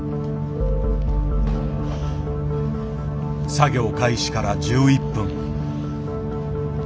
作業開始から１１分。